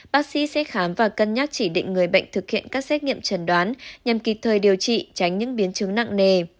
bác sĩ sẽ khám và cân nhắc chỉ định người bệnh thực hiện các xét nghiệm trần đoán nhằm kịp thời điều trị tránh những biến chứng nặng nề